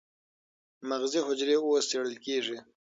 مغزي حجرې اوس څېړل کېږي.